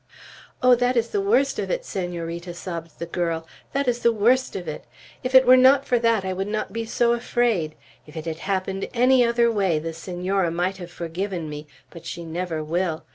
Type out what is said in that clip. "Oh, that is the worst of it, Senorita!" sobbed the girl. "That is the worst of it! If it were not for that, I would not be so afraid. If it had happened any other way, the Senora might have forgiven me; but she never will.